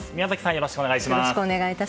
よろしくお願いします。